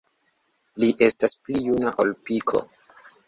Li estas pli juna ol Piko.